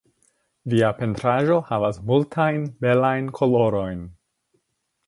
Via pentraĵo havas multajn belajn kolorojn.